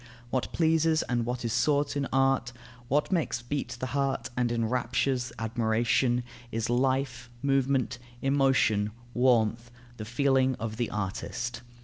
What pleases and what is sought in art, what makes beat the heart and enraptures the admiration, is life, movement, emotion, warmth, the feeling of the artist.